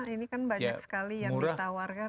ini kan banyak sekali yang ditawarkan